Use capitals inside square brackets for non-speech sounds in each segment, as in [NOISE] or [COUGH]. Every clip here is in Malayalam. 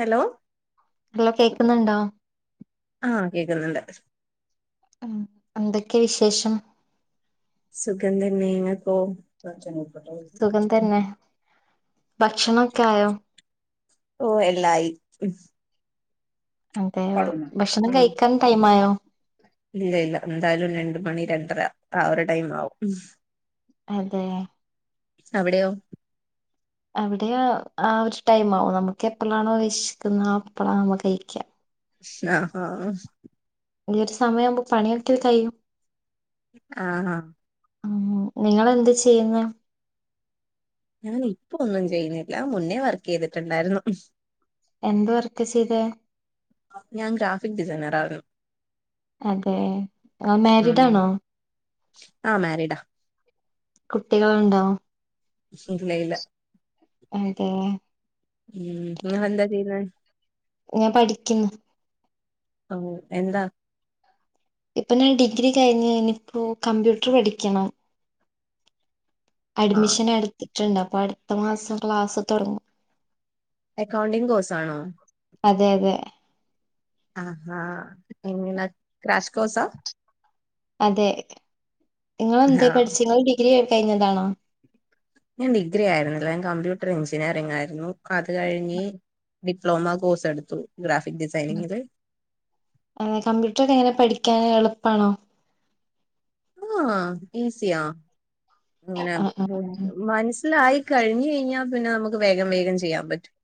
ഹലോ എല്ല കേക്കുന്നുണ്ടോ ആഹ് കേക്കുന്നുണ്ട് ഉ എന്തൊക്കെ വിശേഷം സുഗന്ധ നെയമപ്പോ [UNINTELLIGIBLE] സുഖം തന്നെ ഭക്ഷണൊക്കെ ആയോ ഓ എല്ലായി അതെയോ ഉം ഭക്ഷണം കഴിക്കാൻ ടൈമായോ ഇല്ല ഇല്ല എന്തായാലും രണ്ട മണി രണ്ടര ആ ഒരു ടൈം ആവും അതെ അവിടെയോ അവിടെ ആ ഒരു ടൈംമാവും നമുക്ക് എപ്പഴാണോ ശിക്കുന്നത് ആ എപ്പഴാ നമക്ക് കഴിക്കാ [UNINTELLIGIBLE] അ ആഹ ഒരു സമയം ആുമ്പോ പണിയൊക്കൽ കയ്യും ആഹ [UNINTELLIGIBLE] ഉ നിങ്ങള് എന്ത് ചെയ്യുന്ന ഞാൻ ഇപ്പ ഒന്നും ചെയ്യുന്നില്ല മുന്നേ വർക്ക് ചെയ്തിട്ടുണ്ടായിരുന്നു എന്ത് വർക്ക ചെയ്ത ഞാൻ ഗ്രാഫിക് ഡിസൈനറ ആരുന്നു അതെ ആ മാരിഡ് ആണോ ആ മാരിഡാ കുട്ടികളുണ്ടോ ഇല്ല ഇല്ല അതെ ഉം നിങ്ങളെന്താ ചെയ്യുന്നേ ഞാൻ പഠിക്കുന്നു ഓ എന്താ ഇപ്പൊ ഞാൻ ഡിഗ്രി കഴിഞ്ഞു ഇനിയിപ്പോ കമ്പ്യൂട്ടർ പഠിക്കണം ആഹ് അഡ്മിഷൻ എടുത്തിട്ടുണ്ട് അപ്പൊ അടുത്ത മാസം ക്ലാസ് തുടങ്ങും അക്കൗണ്ടിംഗ്കോഴ്സ് ആണോ അതെ അതെ ആഹഹാ എ രാഷ് കോസ അതെ നിങ്ങെളെന്ത ആഹ് പഠിച്ച നിങ്ങ ഡിഗ്രി കഴിഞ്ഞതാണോ ഞാൻ ഡിഗ്രി ആയിരുന്നില്ല ഞാൻ കമ്പ്യൂട്ടർ എഞ്ചിനീയറിംഗ് ആയിരുന്നു അത് കഴിഞ്ഞ് ഡിപ്ലോമ കോഴ്സ് എടുത്തു ഗ്രാഫിക് ഡിസൈനിങ്ങില് അ കമ്പ്യൂട്ടർ ഒക്കെ എങ്ങനെ പഠിക്കാൻ എളുപ്പാണോ ആഹ ഈസിയാ അങ്ങനെ ആ ആ ആ. മനസ്സിലായി കഴിഞ്ഞ് കഴിഞ്ഞാൽ പിന്നെ നമുക്ക് വേഗം വേഗം ചെയ്യാൻ പറ്റും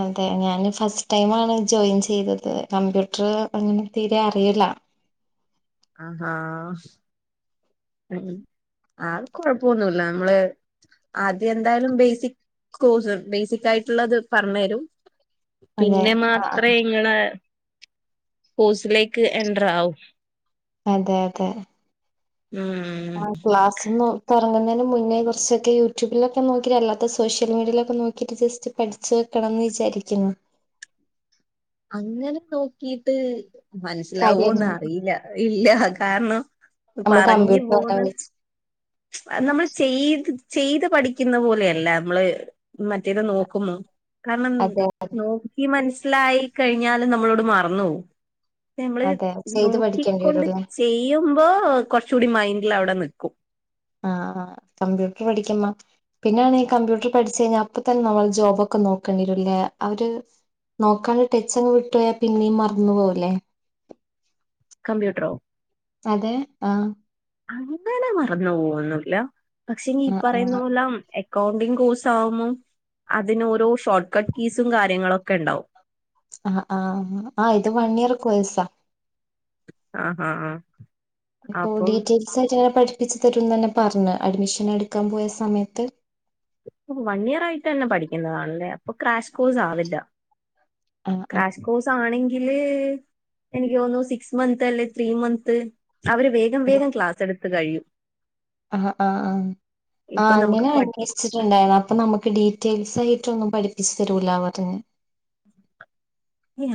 അതെ ഞാന് ഫസ്റ്റ് ടൈ ആണ് ജോയിൻ ചെയ്തത് കമ്പ്യൂട്ടർ അങ്ങനെ തീരെ അറിയില്ല ആ ആഹാ ആ കൊഴപ്പൊന്നല്ല നമ്മള് ആദ്യം എന്തായാലും ബേസിക് കോഴ്സ് ബേസിക് ആയിട്ടുള്ളത് പറഞ്ഞു തരും അതെ പിന്നെ ആ ആ. മാത്രേ ഇങ്ങെളെ ഹൂസിലേക്ക് എന്ടർ ആവും അതെ അതെ ഉം ആ ക്ലാസ്ന്ന് തെറങ്ങുന്നതിന് മുന്നേ കൊറച്ചൊക്കെ യൂട്യൂബിലൊക്കെ നോക്കി അല്ലാത്ത സോഷ്യൽ മീഡിയയിലൊക്കെ നോക്കിട്ട് ജെസ്റ്റ് പഠിച്ച് ക്കണം എന്ന് വിചാരിക്ക്ന്നു അങ്ങനെ നോക്കിട്ട് മനസ്സിലാവോന്ന് കാര്യമായിരുന്നു അറിയില്ല ഇല്ല കാരണം നമ്മൾ പറഞ്ഞ് കമ്പ്യൂട്ടർ പോന്ന വെച്ച് [UNINTELLIGIBLE] കാരണം അതെ നോക്കി മനസ്സിലായി കഴിഞ്ഞാലും നമ്മളോട് മറന്ന് പോവും നെമ്മള് അതെ ചെയ്ത് പഠിക്കേണ്ടി നോക്കിക്കൊണ്ട് വരുംല്ലേ ചെയ്യ്മ്പോ കൊറച്ച് കൂടി മൈൻ [UNINTELLIGIBLE] അവടെ നിക്കും ആാ ആാ കമ്പ്യൂട്ടറ് പഠിക്കമ്പം പിന്നെ ആണേ കമ്പ്യൂട്ടർ പഠിച്ച് കഴിഞ്ഞാ അപ്പാ തന്നെ നമ്മള് ജോബൊക്കെ നോക്കണ്ട് വെരും അല്ലേ അവര് നോക്കാണ്ട് ടച്ച് അങ്ങ് വിട്ട് പോയാ പിന്നോ മറന്ന് പോകാല്ലേ കമ്പ്യൂട്ടറോ അതെ ആാ അങ്ങനെ മറന്ന് പോകുന്നില്ല പശേ ഇങ്കി ഈ ആഹ് പറയ്ന്നാ ആഹ് പോലാം എ അക്കൗണ്ടിംഗ കോഴ്സ് ആവ്മ്പം അതിന് ഓരോ ഷോർട്ട് കട്ട് കീസും കാര്യങ്ങളോക്കെ ഇണ്ടാവും ആാ ആാ ആാ ഇത് വൺ ഇയറ് കൊയ്യ്സാ ആഹ് ആഹ് ആഹ് അപ്പൊ അപ്പം ഡീറ്റെൽസ് ആയിട്ട് അങ്ങനെ പഠി തിരിച്ച് തെരൂന്നാ തന്നെയാ പറഞ്ഞേ അഡ്മിഷൻ എട്ക്കാൻ പോയാ സമയത്ത് വൺ ഇയർ ആയിട്ട് തന്നെ പഠിക്കുന്നതാണല്ലേ അപ്പൊ ക്രാഷ് കോഴ്സ് ആവില്ല ആഹ് ആഹ് ക്രാഷ്കോസ് ആണെങ്കി ല് എനിക്ക് തോന്നുന്നു സിക്സ് മന്ത് അല്ലെ ത്രീ മന്ത് അവര് വേഗം വേഗം ക്ലാസ് എടുത്ത് കഴിയും ആാ ആാ ആാ ആാ ഇപ്പൊ നമുക്ക് അങ്ങനെ പ അന്വേഷിച്ചിട്ട് ഉണ്ടാര്ന്നു അപ്പൊ നമ്മക്ക് ഡി ഡറ്റേൽസ് ആയിട്ടൊന്നും പഠിപ്പിച്ചു തെരൂല്ലാ പറഞ്ഞ്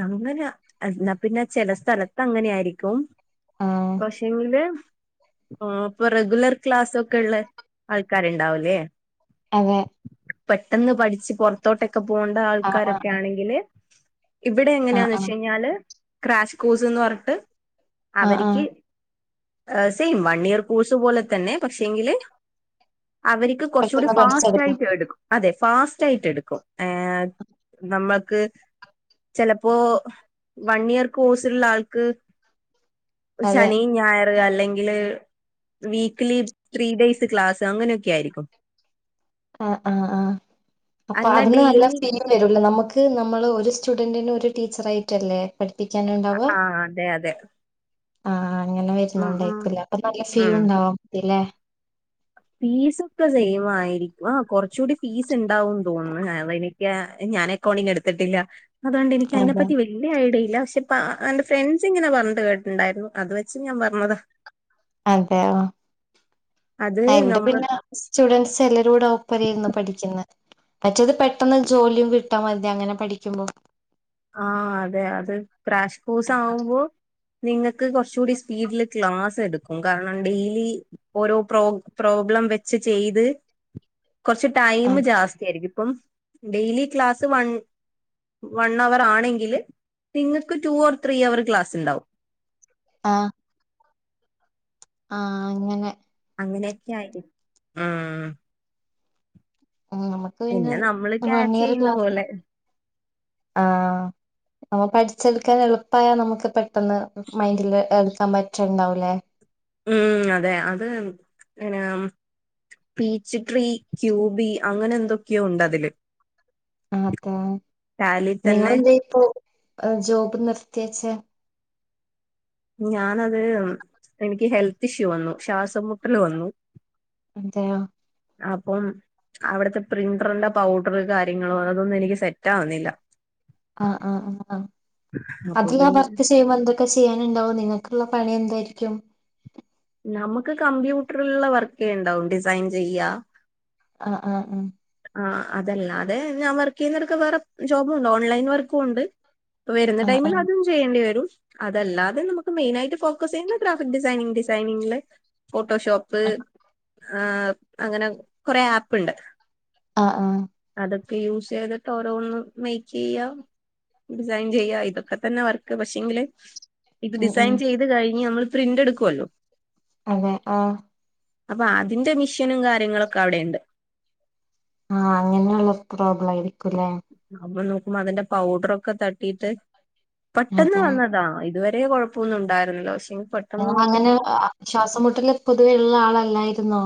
അങ്ങനെ എന്നാ പിന്നെ ചെല സ്ഥലത്ത് അങ്ങനെ ആാരിക്കും ആഹ് പശേങ്കില് ഇപ്പൊ റെഗുലർ ക്ലാസ് ഒക്കെ ഒള്ള ആൾക്കാര് ഇണ്ടാവൂല്ലോ അതെ പെട്ടെന്ന് പഠിച്ചു ആഹ് ആഹ് ഇവടെ ആഹ് എങ്ങനെയാന്ന് ആഹ് വെച്ച് കഴിഞ്ഞാല് ക്രാഷ് കോസ് എന്ന് പറഞ്ഞിട്ട് ആഹ് ആഹ് അവരിക്കി യ് സെയിം വൺ ഇയർ കോഴ്സ് പോലെ തന്നെ പശേങ്കില് അവരിക്ക് കൊറച്ചുകൂടി പെട്ടെന്ന് ഫാസ്റ്റ് പഠിച്ചെടുക്കാം ആയിട്ട് എട്ക്കും അതെ ഫാസ്റ്റ് ആയിട്ട് എടുക്കും നമ്മക്ക് ചെലപ്പോ വൺ ഇയർ കോഴ്സുള്ള ആൾക്ക് അതെ ശനി, ഞായർ അല്ലെങ്കില് വിക്കിലി ത്രീ ഡേയ്‌സ് ക്ലാസ്സ് അങ്ങനൊക്കെ ആരിക്കും ആാ ആാ ആാ അപ്പൊ അല്ല അതിന് നല്ല ഡെയിലി [UNINTELLIGIBLE] വരൂല്ലോ നമ്മക്ക് ഇത് നമ്മള് ഒരു സ്റ്റുഡൻറിന് ഒര് ടീച്ചറയിട്ടല്ലേ പഠിപ്പിക്കാന് ഇണ്ടാവ്യാ ആഹ് അതെ അതെ ആ അങ്ങനെ ഉം ഉം വെരുന്നണ്ടായിക്കൂല്ലോ അപ്പൊ നല്ല ഫീ ഒണ്ടാവു മതില്ലേ ഫീസ് ഒക്കെ സെയിം ആയിരിക്കും ആ കൊറച്ചുടി ഫീസ് ഇണ്ടാവുന്ന് തോന്നുന്നു [UNINTELLIGIBLE] അത് എനിക്ക്യാ ഞാൻ അക്കൗണ്ടിങ് എടുത്തിട്ടില്ല അത് കൊണ്ട് എനിക്ക് അതെ അതിനെപ്പറ്റി വല്ല്യായ ഐഡിയില്ല പശേ അപ്പാ എന്റെ ഫ്രണ്ട്സ് ഇങ്ങനെ പറഞ്ഞാത് കേട്ടിട്ട്ണ്ടാരുന്നു അത് വെച്ച് ഞാൻ പറഞ്ഞതാ അതെയോ അത് ആ ഇവടെ നമ്മൾ പിന്നെ സ്റ്റുഡൻറ്സ് എല്ലാരുടെ ഓപ്പരേ ഇര്ന്ന് പഠിക്ക്ന്നേ മറ്റേത് പെട്ടെന്ന് ജോലിയും കിട്ടാ മതി അങ്ങനെ പഠിക്ക്മ്പോ ആ അതെ അത് ക്രാശ് കോഴ്സ് ആവുമ്പോ നിങ്ങക്ക് കൊറച്ചുടി സ്പീഡില് ക്ലാസ് എടുക്കും കാരണം ഡെയിലി ഓരോ പ്രൊ പ്രോബ്ലം ഉം വെച്ച് ചെയ്ത് [INAUDIBLE] കുറച്ച് ടൈം ആഹ് ജാസ്തിയായിരിക്കും ഇപ്പം ഡെയിലി ക്ലാസ് വൺ വൺ ണ്ണവറാണെങ്കിൽ നിങ്ങക്ക് two or three hour class ണ്ടാവും. ആഹ് ആഹ് അങ്ങനെ അങ്ങനെയൊക്കെ ആയിട്ടെ ആഹ് ആഹ് നമക്ക് പിന്നെ നമ്മള് വൺ ക്യാച്ച് ഇയർ ചെയ്യുന്ന ക്ലാസാ പോലെ ആ അപ്പൊ പഠിച്ചെടുക്കാൻ എളുപ്പായാ നമുക്ക് പെട്ടെന്ന് മൈൻഡില് എടുക്കാൻ പറ്റ്ണ്ടാവൂലേ? ഉം അതെ അത് പിന്നെ പീച്ച് ട്രീ ക്യൂബി അങ്ങനെ എന്തൊക്കെയോണ്ടതില് അതെ തന്നെ നിങ്ങെളെന്തേ ഇപ്പൊ ഏ ജോബ് നിർത്ത്യേച്ചേ? ഞാനത് എനിക്ക് ഹെൽത്ത് ഇഷ്യൂ വന്നു. ശ്വാസംമുട്ടൽ വന്നു. അതെയ അപ്പം അവിടത്തെ പ്രിന്ററിന്റെ പൗഡറ് കാര്യങ്ങളും അതൊന്നും എനിക്ക് സെറ്റ് ആവുന്നില്ല. ആഹ് ആ ആ ആ ആ അപ്പൊ അതിലാ പിന്നെ വർക്ക് ചെയ്യുമ്പോ എന്തൊക്കെ ചെയ്യാനുണ്ടാവും നിങ്ങൾക്കുള്ള പണി എന്തായിരിക്കും? നമുക്ക് കമ്പ്യൂട്ടറിലുള്ള വർക്കേ ണ്ടാവും. ഡിസൈൻ ചെയ്യാ ആഹ് ആഹ് ആഹ് ആ അതല്ലാതെ ഞാൻ വർക്ക് ചെയ്യുന്നെടക്ക്‌ വേറെ ജോബും ഉണ്ട് ഓൺലൈൻ വർക്കും ഉണ്ട്. അപ്പ വരുന്ന ആഹ് ആഹ് ടൈമിൽ ആഹ് അതും ചെയ്യേണ്ടി വരും. അതല്ലാതെ നമുക്ക് മെയിനായിട്ട് ഫോക്കസ് ചെയ്യുന്ന ഗ്രാഫിക് ഡിസൈനിങ് ഡിസൈനിങ്ങില് ഫോട്ടോഷോപ്പ് ആ അങ്ങനെ കൊറേ ആപ്പ്ണ്ട്. ആഹ് ആഹ് തൊക്കെ യൂസ് ചെയ്തിട്ട് ഓരോന്ന് മെയ്ക്കീയ്യാ ഡിസൈൻ ചെയ്യാ ഇതൊക്കെ തന്നെ വർക്ക് പക്ഷെങ്കില് ഇത് ഉം ഉം ഡിസൈൻ ചെയ്ത് കഴിഞ്ഞ് നമ്മള് പ്രിന്റ് എടുക്കുവല്ലോ? അതെ ആഹ് അപ്പൊ അതിന്റെ മിഷീനും കാര്യങ്ങളൊക്കെ അവിടെയ്ണ്ട്. ആഹ് അങ്ങനെയുള്ള പ്രോബ്ലം അയിരി അപ്പൊ നോക്കുമ്പോ അതിന്റെ പൗഡറൊക്കെ തട്ടീട്ട് പെട്ടെന്ന് അതെ വന്നതാ ഇതുവരെ രേ കുഴപ്പൊന്നുംണ്ടായിരുന്നില്ല ഇയാൾ അങ്ങനെ ആഹ് ശ്വാസംമുട്ടൽ പൊതുവെ ഉള്ള ആളല്ലായിരുന്നോ?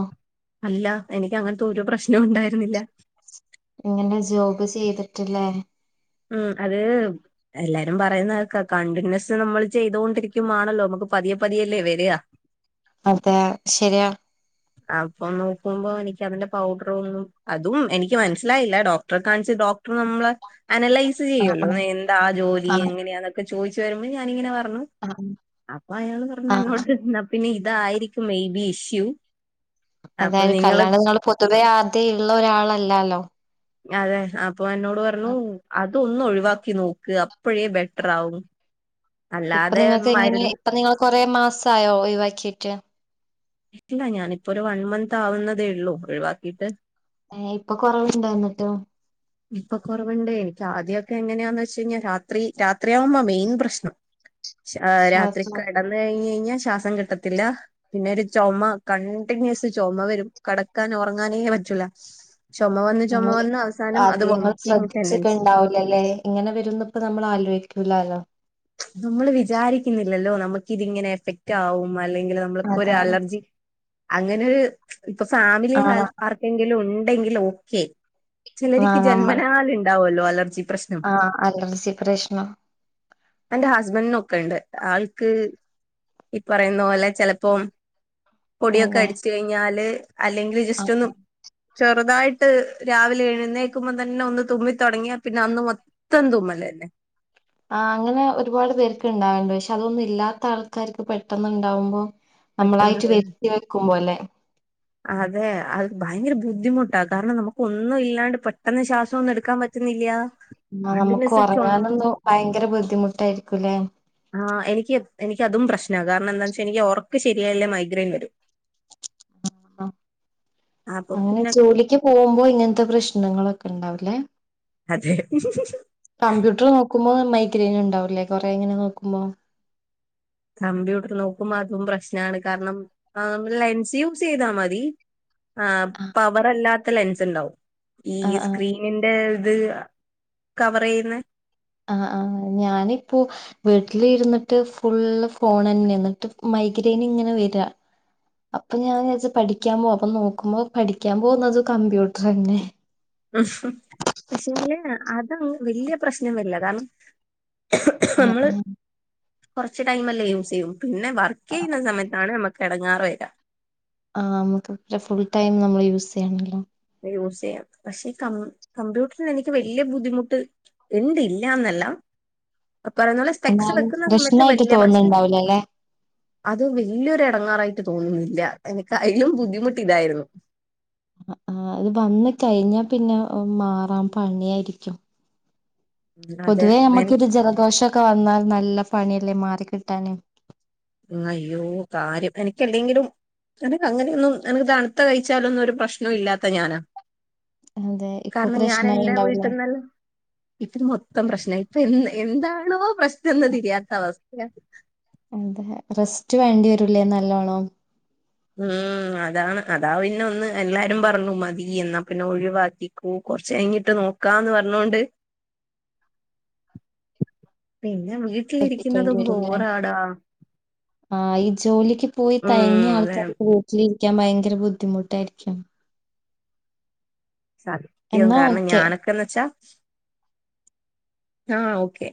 അല്ല എനിക്ക് അങ്ങനത്തെ ഒരു പ്രശ്നവും ഉണ്ടായിരുന്നില്ല. ഇങ്ങനെ ജോബ് ചെയ്തിട്ടില്ലേ? ഉം അത് എല്ലാരും പറയുന്ന കേൾക്കാ കണ്ടിന്യൂസ് നമ്മൾ ചെയ്തോണ്ടിരിക്കുമ്പൊ ആണല്ലോ നമുക്ക് പതിയെ പതിയല്ലേ വെരാ അതെ ശരിയാ അപ്പം നോക്കുമ്പോ എനിക്ക് അതിന്റെ പൗഡറൊന്നും അതും എനിക്ക് മനസ്സിലായില്ല ഡോക്ടറെ കാണിച്ച് ഡോക്ടർ നമ്മളെ അനലൈസ് ആഹ് ചെയ്യല്ലോ എന്താ ജോലി ആഹ് എങ്ങനെയാന്നൊക്കെ ചോയ്ച്ചു വരുമ്പോ ഞാനിങ്ങനെ പർഞ്ഞു ആഹ് അപ്പൊ അയാള് പറഞ്ഞു ആ എന്നോട് ന്നാ പിന്നെ ഇതായിരിക്കും മെയ്ബി ഇഷ്യു. അതായിരിക്കും അല്ലാണ്ട് ഇങ്ങള് പൊതുവെ ആദ്യം ഇള്ള ഒരാളല്ലാല്ലോ അതെ അപ്പൊ എന്നോട് പറഞ്ഞൂ അ തൊന്ന് ഒഴിവാക്കി നോക്ക് അപ്പഴേ ബെറ്റ്റാവും. ഇപ്പൊ നിങ്ങൾക്ക് എങ്ങനെയാ ഇപ്പൊ നിങ്ങൾ കൊറെ മാസായോ ഒഴിവാക്കിയിട്ട് ഇല്ല ഞാനിപ്പൊ ഒരു വൺ മന്ത് ആവുന്നതേ ഉള്ളു ഒഴിവാക്കിട്ട്. ഏ ഇപ്പൊ കൊറവുണ്ടായെന്നിട്ട് ഇപ്പൊ കുറവുണ്ടേ നിക്ക് ആദ്യൊക്കെ എങ്ങനെയാന്ന് വെച്ച് കഴിഞ്ഞാൽ രാത്രി രാത്രിയാവുമ്പോ മെയിൻ പ്രശ്നം ശാഹ് രാത്രി ശ്വാസം കടന്ന് കഴിഞ്ഞ് കഴിഞ്ഞാൽ ശ്വാസം കിട്ടത്തില്ല. പിന്നൊരു ചൊമ കണ്ടിന്യൂസ് ചൊമ വരും കടക്കാന് ഉറങ്ങാനേ പറ്റൂല. ഒന്ന് ചൊമ വന്ന ആദ്യങ്ങൾ ശ്രദ്ധിച്ചിക്കെ ഉണ്ടാവൂലല്ലേ ഇങ്ങനെ വരുന്ന ഇപ്പോ നമ്മൾ ആലോചിക്കൂലല്ലോ നമ്മൾ വിചാരിക്കുന്നില്ലല്ലോ നമുക്കിതിങ്ങനെ എഫക്റ്റ് ആവുന്ന് അല്ലെങ്കിൽ നമ്മക്കൊരു അതാണ് അലർജി അങ്ങനൊരു ഇപ്പൊ ഫാമിലിൽ ആ ആഹ് ആർക്കെങ്കിലും ഉണ്ടെങ്കിലും ഓക്കെ ചിലർക്ക് ജന്മനാൽ ഉണ്ടാവല്ലോ അലർജി പ്രശ്നം. ആ അലർജി പ്രശ്നം എന്റെ ഹസ്ബൻഡിനൊക്കെ ഉണ്ട് ആൾക്ക് ഈ പറയുന്നു പോലെ ചിലപ്പോ പൊടിയൊക്കെ അതെ. അടിച്ച കഴിഞ്ഞാ ന അല്ലെങ്കിൽ ജസ്റ്റ് ഒന്ന് ആഹ് ചെറുതായിട്ട് രാവിലെ എഴുന്നേൽക്കുമ്പോ തന്നെ ഒന്ന് തുമ്മിത്തൊടങ്ങിയ പിന്നെ അന്ന് മൊത്തം തുമ്മൽ തന്നെ ആ അങ്ങനെ ഒരുപാട് പേർക്ക് ഉണ്ടാവണ്ട് പക്ഷെ അതൊന്നും ഇല്ലാത്ത ആൾക്കാർക്ക് പെട്ടെന്ന് ഉണ്ടാവുമ്പോ പെട്ടെന്ന് നമ്മളായിട്ട് വെറ്റ് വെയ്ക്കുമ്പോ അല്ലെ അതെ അത് ഭയങ്കര ബുദ്ധിമുട്ടാ കാരണം നമുക്ക് ഒന്നും ഇല്ലാണ്ട് പെട്ടെന്ന് ശ്വാസം ഒന്നും എടുക്കാൻ പറ്റ മില്ല ആ നമുക്ക് ഉറങ്ങാനൊന്നും ഭയങ്കര ബുദ്ധിമുട്ടായിരിക്കൂല്ലേ ആ എനിക്ക് എനിക്ക് അതും പ്രശ്നമാണ് കാരണം എന്താന്ന് വെച്ചാൽ എനിക്ക് ഉറക്കം ശരിയായില്ലെങ്കിൽ മൈഗ്രെൻ വരും. ആ അപ്പൊ അങ്ങനെ പിന്നെ ജോലിക്ക് പോകുമ്പോ ഇങ്ങനത്തെ പ്രശ്നങ്ങളൊക്കെ ഒക്കെ ഉണ്ടാവല്ലേ [INAUDIBLE] കമ്പ്യൂട്ടർ നോക്കുമ്പോ മൈഗ്രെയിൻ ഉണ്ടാവൂലേ കൊറെ ഇങ്ങനെ നോക്കുമ്പോ കമ്പ്യൂട്ടർ നോക്കുമ്പോ അതും പ്രശ്നമാണ് കാരണം നമ്മൾ ലെൻസ് യൂസ് ചെയ്താൽ മതി ആ ആഹ് പവർ അല്ലാത്ത ലെൻസ് ഉണ്ടാവും ഈ ആഹ് ആഹ് സ്ക്രീനിന്റെ അത് കവർ ചെയ്യുന്ന വീട്ടിൽ ഇരുന്നിട്ട് ഫുൾ ഫോൺ തന്നെയാന്ന് എന്നിട്ട് മൈഗ്രെയിൻ ഇങ്ങനെ വരാ അപ്പൊ ഞാൻ വിചാച്ച് പഠിക്കാൻ പോവാ അപ്പൊ നോക്കുമ്പോ പഠിക്കാൻ പോകുന്നത് കമ്പ്യൂട്ടർ തന്നെ ഉം പക്ഷെങ്കിൽ അത് വലിയ പ്രശ്നം വരില്ല കാരണം ആ നമ്മള് [INAUDIBLE] കുറച്ച് ടൈമല്ലേ യൂസ് ചെയ്യു പിന്നെ വർക്ക് ചെയ്യുന്ന സമയത്താണ് നമ്മുക്ക് ഇടങ്ങാറ് വരാ ആ നമുക് ഇത്ര ഫുൾ ടൈം നമ്മൾ യൂസ് ചെയ്യണ്ടല്ലോ യൂസ് ചെയ്യാം പക്ഷെ കം കമ്പ്യൂട്ടറിൽ എനിക്ക് വലിയ ബുദ്ധിമുട്ട് ഉണ്ട് ഇല്ലാന്നല്ല പറയുന്ന പോലെ സ്പെക്സ് എന്നാലും വെക്കുന്ന സമയത്ത് പ്രശ്നായിട്ട് വലിയ പ്രശ്ന തോന്നുന്നുണ്ടാവില്ല അല്ലെ അത് വലിയൊരു ഇടങ്ങാറായി തോന്നുന്നില്ല എനിക്ക് അതിലും ബുദ്ധിമുട്ട് ഇതായിരുന്നു ആ അത് വന്ന് കഴിഞ്ഞാ പിന്നെ മാറാ പണിയായിരിക്കും അതെ പൊതുവേ എനിക്ക് നമ്മുക്കൊരു ജലദോഷൊക്കെ വന്നാൽ നല്ല പണിയല്ലേ മാറിക്കിട്ടാന് അയ്യോ കാര്യം എനിക്ക് എന്തെങ്കിലും എനിക്ക് അങ്ങനെയൊന്നും എനിക്ക് തണുത്ത കഴിച്ചാലൊന്നും ഒരു പ്രശ്നം ഇല്ലാത്ത ഞാനാ അതെ ഇപ്പൊ കാരണം ഞാൻ പ്രശ്നായി എൻ്റെ ഉണ്ടാവില്ല വീട്ടിന്നൽ [INAUDIBLE] മൊത്തം പ്രശ്നമായി തെന്ന് എന്താണോ പ്രശ്നമെന്ന് തിരിയാത്ത അവസ്ഥ അതെ റെസ്റ്റ് വേണ്ടി വരൂല്ലേ നല്ലോണം ഉം അതാണ് അതാ പിന്നെ ഒന്ന് എല്ലാവരും പറഞ്ഞു മതി എന്നാ പിന്നെ ഒഴിവാക്കിക്കോ കുറച്ച കഴിഞ്ഞിട്ട് നോക്കാന്ന് പറഞ്ഞോണ്ട് [INAUDIBLE] [INAUDIBLE] ശ്രദ്ധിക്കേണ്ടി വീട്ടിലിരിക്കുന്നതും വരില്ലേ ബോറാടാ ആ ഈ ജോലിക്ക് പോയി ഉം തയങ്ങിയ അതെ ആൾക്കാർക്ക് വീട്ടിലിരിക്കാൻ ഭയങ്കര ബുദ്ധിമുട്ടായിരിക്കും സത്യവും എന്നാ കാരണം ഓക്കെ ഞാനൊക്കെന്ന് വെച്ചാ ആ ഓക്കെ